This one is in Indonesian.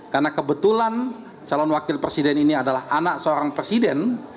karena kebetulan calon wakil presiden ini adalah anak seorang presiden